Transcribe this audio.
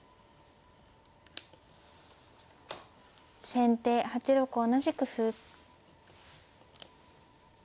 先手８六同じく歩。